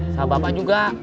sama bapak juga